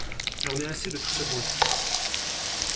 J’en ai assez de tout ce bruit!